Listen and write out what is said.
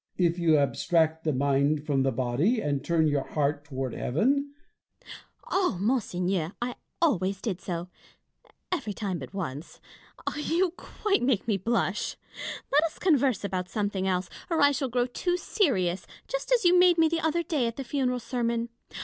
If you abstract the mind from the body, and turn your heart toward heaven Fontanges. O monseigneur, I always did so — every time but once — you quite make me blush. Let us converse about something else, or I shall grow too serious, just as you made me the other day at the funeral sermon.